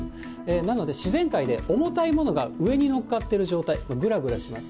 なので、自然界で重たいものが上に乗っかってる状態、ぐらぐらします。